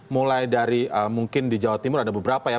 mulai dari mungkin di jawa timur ada beberapa ya